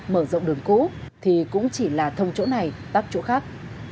mở rộng đường cũ thì cũng chỉ là thông chỗ này tắt chỗ khác